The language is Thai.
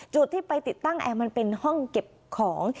จุดที่ไปติดตั้งแอร์มันเป็นห้องเก็บของ